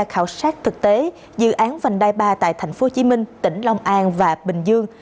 khảo sát thực tế dự án vành đai ba tại thành phố hồ chí minh tỉnh long an và bình dương